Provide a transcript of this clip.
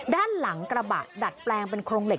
ด้านหลังกระบะดัดแปลงเป็นโครงเหล็